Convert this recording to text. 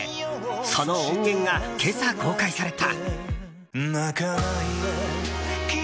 その音源が、今朝公開された。